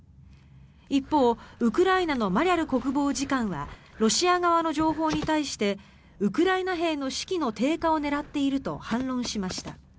一方、ウクライナのマリャル国防次官はロシア側の情報に対してウクライナ兵の士気の低下を狙っていると反論しました。